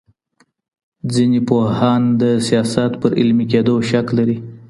ځينې پوهان د سياست پر علمي کېدو شک لري.